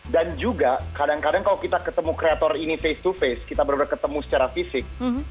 dan juga kadang kadang kalau kita ketemu kreator ini face to face kita bener bener ketemu secara fisik